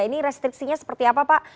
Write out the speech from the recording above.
ini restriksinya seperti apa pak